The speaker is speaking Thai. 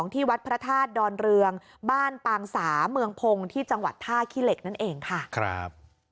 ที่วัดพระธาตุดอนเรืองบ้านปางสาเมืองพงศ์ที่จังหวัดท่าขี้เหล็กนั่นเองค่ะครับ